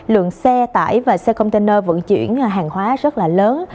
lượng xe tải và xe container vận chuyển hàng hóa rất là lớn